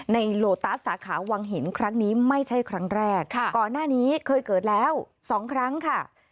โลตัสสาขาวังหินครั้งนี้ไม่ใช่ครั้งแรกก่อนหน้านี้เคยเกิดแล้วสองครั้งค่ะ